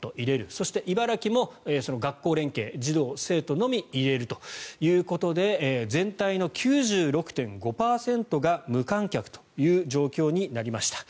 そして、茨城も学校連携、児童・生徒のみ入れるということで全体の９６．５％が無観客という状況になりました。